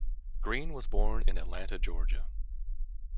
Green was born in Atlanta, Georgia.